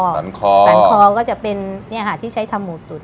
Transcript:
สันคอสันคอก็จะเป็นที่ใช้ทำหมูตุ๋น